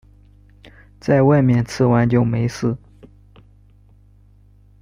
在外面吃完就没事